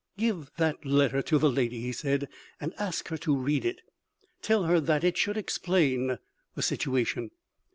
"Give that letter to the lady," he said, "and ask her to read it. Tell her that it should explain the situation.